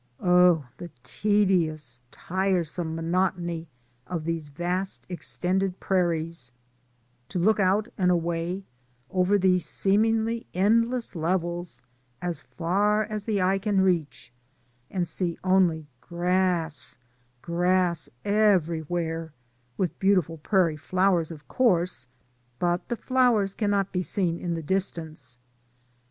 Oh, the tedious, tiresome monotony of these vast extended prairies: To look out and away, over these seemingly endless levels, as far as the eye can reach, and see only grass, grass everywhere, with beauti ful prairie flowers, of course, but the flowers DAYS ON THE ROAD. 35 cannot be seen in the distance.